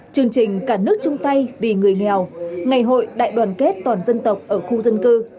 chương trình cả nước chung tay vì người nghèo ngày hội đại đoàn kết toàn dân tộc ở khu dân cư